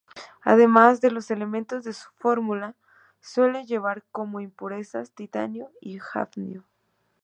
Además de los elementos de su fórmula, suele llevar como impurezas: titanio y hafnio.